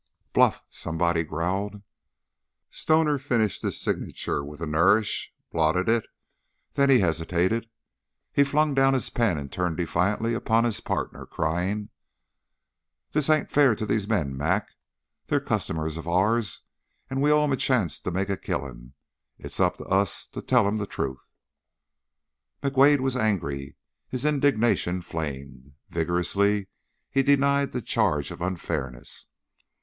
"Bluff!" somebody growled. Stoner finished his signature with a nourish, blotted it, then he hesitated. He flung down his pen and turned defiantly upon his partner, crying: "This ain't fair to these men, Mac. They're customers of ours and we owe 'em the chance to make a killing. It's up to us to tell 'em the truth." McWade was angry. His indignation flamed. Vigorously he denied the charge of unfairness.